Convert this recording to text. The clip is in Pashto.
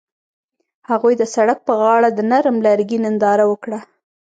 هغوی د سړک پر غاړه د نرم لرګی ننداره وکړه.